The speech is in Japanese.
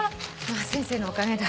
先生のおかげだ。